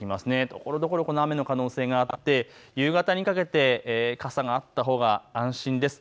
ところどころ雨の可能性があって夕方にかけて傘があったほうが安心です。